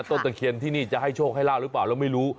ตะเคียนที่นี่จะให้โชคให้ลาบหรือเปล่าเราไม่รู้